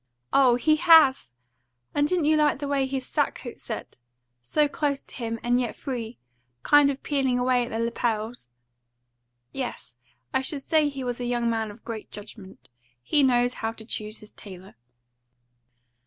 "Oh, he HAS! And didn't you like the way his sackcoat set? So close to him, and yet free kind of peeling away at the lapels?" "Yes, I should say he was a young man of great judgment. He knows how to choose his tailor."